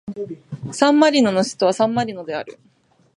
サンマリノの首都はサンマリノである